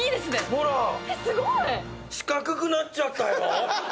ほら、四角くなっちゃったよ。